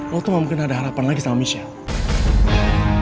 lo tuh gak mungkin ada harapan lagi sama michelle